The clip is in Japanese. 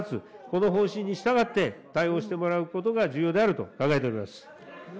この方針に従って、対応してもらうことが重要であると考えております。